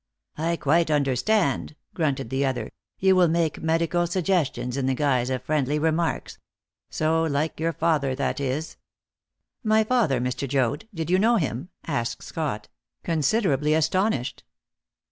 "I quite understand," grunted the other; "you will make medical suggestions in the guise of friendly remarks. So like your father, that is." "My father, Mr. Joad? Did you know him?" asked Scott, considerably astonished.